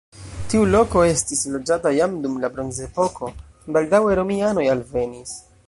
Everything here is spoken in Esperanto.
Tiu loko estis loĝata jam dum la bronzepoko, baldaŭe romianoj alvenis.